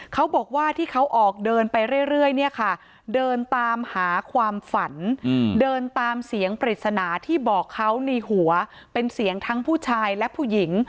เขาบอกว่าที่เขาออกเดินไปเรื่อยเนี่ยค่ะเดินตามหาความฝันเดินตามเสียงปริศนาที่บอกเขาในหัวเป็นเสียงทั้งผู้ชายและผู้หญิง